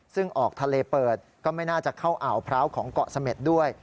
ซึ่งออกทะเลเปิดก็ไม่น่าจะเข้าอ่าวพร้าวของเกาะเสม็ดด้วย